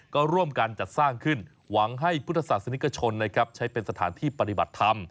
ก็ร่วมกันจัดสร้างขึ้นหวังให้พุทธศาสนิกชนใช้เป็นสถานที่ปฏิบัติธรรม